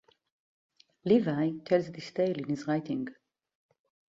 Livy tells this tale in his writing.